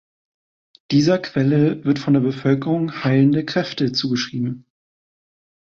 Dieser Quelle wird von der Bevölkerung heilende Kräfte zugeschrieben.